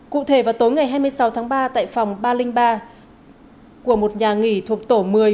cụ thể vào tối ngày hai mươi sáu tháng ba tại phòng ba trăm linh ba của một nhà nghỉ thuộc tổ một mươi